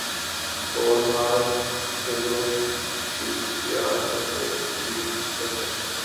قوم ہار کیلئے بھی تیار رہے چیف سلیکٹر